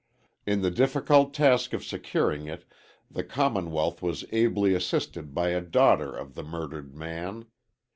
In the difficult task of securing it the Commonwealth was ably assisted by a daughter of the murdered man.